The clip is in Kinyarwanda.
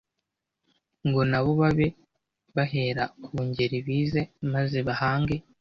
ngo na bo babe bahera ku ngeri bize maze bahange.